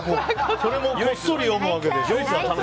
それもこっそり読むわけでしょ。